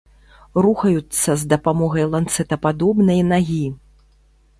Рухаюцца з дапамогай ланцэтападобнай нагі.